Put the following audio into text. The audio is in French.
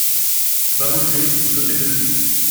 Babochet Vous sautez dessus !